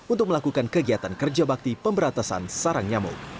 untuk melakukan kegiatan kerja bakti pemberantasan sarang nyamuk